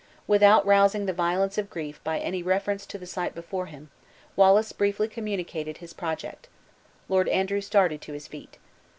Without rousing the violence of grief by any reference to the sight before him, Wallace briefly communicated his project. Lord Andrew started to his feet.